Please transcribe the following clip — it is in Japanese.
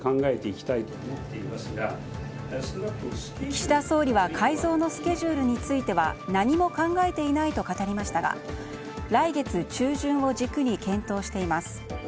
岸田総理は改造のスケジュールについては何も考えていないと語りましたが来月中旬を軸に検討しています。